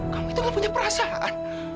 kamu itu gak punya perasaan